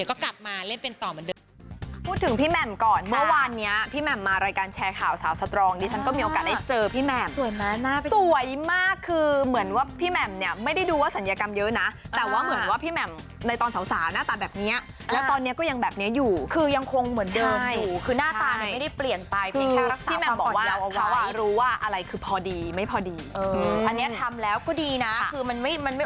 ก็มีโอกาสได้เจอพี่แม่มสวยมากคือเหมือนว่าพี่แม่มเนี่ยไม่ได้ดูว่าสัญญากรรมเยอะนะแต่ว่าเหมือนว่าพี่แม่มในตอนสาวสาวหน้าตาแบบเนี้ยแล้วตอนเนี้ยก็ยังแบบเนี้ยอยู่คือยังคงเหมือนเดินถูกคือหน้าตาเนี้ยไม่ได้เปลี่ยนไปพี่แม่มบอกว่าเขารู้ว่าอะไรคือพอดีไม่พอดีอันเนี้ยทำแล้วก็ดีนะคือมัน